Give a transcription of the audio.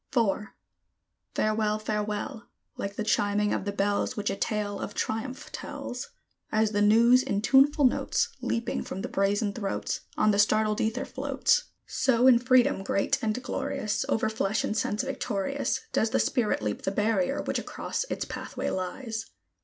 IV. Farewell! Farewell! Like the chiming of the bells, Which a tale of triumph tells; As the news in tuneful notes, Leaping from the brazen throats, On the startled ether floats; So in freedom, great and glorious, Over flesh and sense victorious, Does the Spirit leap the barrier which across its pathway lies!